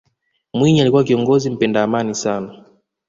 mwinyi alikuwa kiongozi mpenda amani sana